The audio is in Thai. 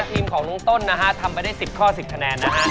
ทีมของน้องต้นถำไปได้๑๐ข้อ๑๐คะแนน